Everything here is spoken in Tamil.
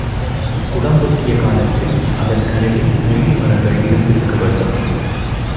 குளம் வெட்டிய காலத்தில் அதன் கரையில் நெல்லி மரங்கள் இருந்திருக்க வேண்டும்.